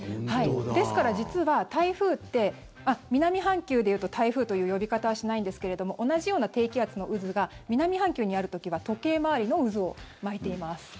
ですから、実は台風って南半球でいうと台風という呼び方はしないんですけれども同じような低気圧の渦が南半球にある時は時計回りの渦を巻いています。